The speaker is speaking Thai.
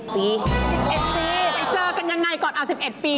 ๑๑ปีไปเจอกันยังไงก่อน๑๑ปี